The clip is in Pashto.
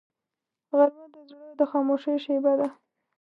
غرمه د زړه د خاموشۍ شیبه ده